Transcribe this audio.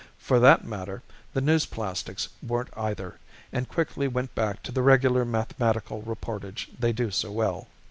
For that matter the newsplastics weren't either and quickly went back to the regular mathematical reportage they do so well.